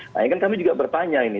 nah ini kan kami juga bertanya ini